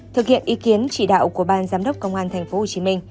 thực hiện ý kiến chỉ đạo của ban giám đốc công an tp hcm